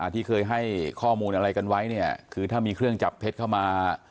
ที่เคยให้ข้อมูลอะไรกันไว้เนี่ยคือถ้ามีเครื่องจับเท็จเข้ามา